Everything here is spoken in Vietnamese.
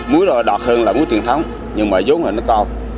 muối đó đọt hơn là muối tiền thống nhưng mà giống như nó còn